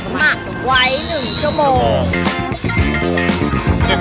หมักไว้๑ชั่วโมง